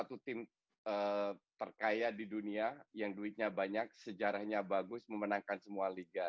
satu tim terkaya di dunia yang duitnya banyak sejarahnya bagus memenangkan semua liga